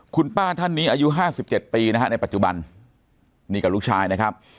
คุณป้าท่านนี้อายุ๕๗ปีนะฮะในปัจจุบันนี่กับลูกชายนะครับ